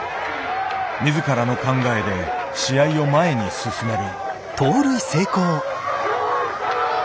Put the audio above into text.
自らの考えで試合を前に進める。